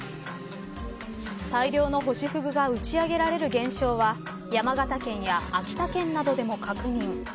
大量のホシフグがうち上げられる現象は山形県や秋田県などでも確認。